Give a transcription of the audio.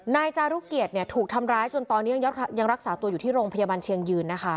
นายจารุเกียรติถูกทำร้ายจนตอนนี้ยังรักษาตัวอยู่ที่โรงพยาบาลเชียงยืนนะคะ